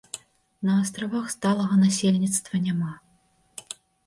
На астравах сталага насельніцтва няма.